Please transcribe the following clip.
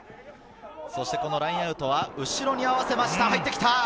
ラインアウトは後ろに合わせました。